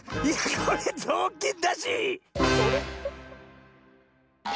これぞうきんだし！